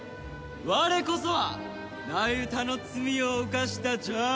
我こそは那由他の罪を犯した邪悪の王！